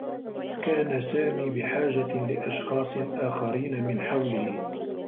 كان سامي بحاجة لأشخاص آخرين من حوله.